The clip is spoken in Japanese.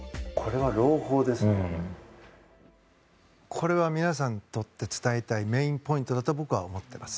これは皆さんに伝えたいメインポイントだと僕は思っています。